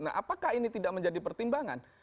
nah apakah ini tidak menjadi pertimbangan